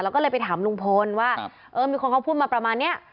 แล้วก็เลยไปถามลุงพลว่าเออมีคนเขาพูดมาประมาณนี้